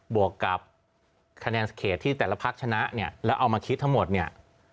วกกับคะแนนเขตที่แต่ละพักชนะเนี่ยแล้วเอามาคิดทั้งหมดเนี่ย